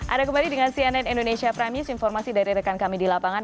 ada kembali dengan cnn indonesia prime news informasi dari rekan kami di lapangan